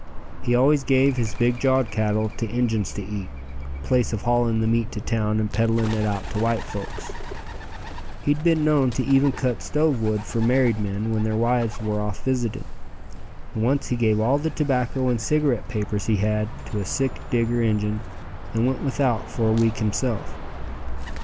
He always gave his big jawed cattle to Injuns to eat, place of hauling the meat to town and peddling it out to white folks. He'd been known to even cut stove wood for married men when their wives were off visiting, and once he gave all the tobacco and cigarette papers he had to a sick Digger Injun and went without for a week himself.